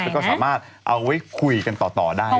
แล้วก็สามารถเอาไว้คุยกันต่อได้